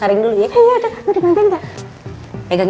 warung putting ke kosher kyk zoomless peranku